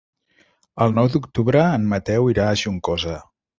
El nou d'octubre en Mateu irà a Juncosa.